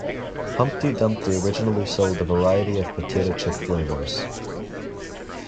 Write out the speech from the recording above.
Humpty Dumpty originally sold a variety of potato chip flavours.